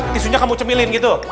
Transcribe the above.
tisunya kamu cemilin gitu